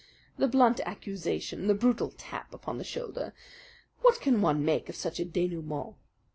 The blunt accusation, the brutal tap upon the shoulder what can one make of such a denouement?